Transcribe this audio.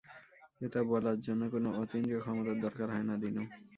এটা বলার জন্যে কোনো অতীন্দ্রিয় ক্ষমতার দরকার হয় না, দিনু।